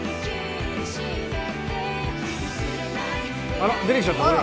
あら出てきちゃった俺ら。